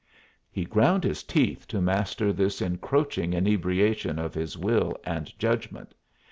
He ground his teeth to master this encroaching inebriation of his will and judgment.